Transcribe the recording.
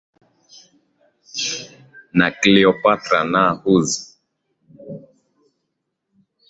na cleopatra naa huz